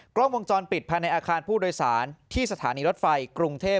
กล้องวงจรปิดภายในอาคารผู้โดยสารที่สถานีรถไฟกรุงเทพ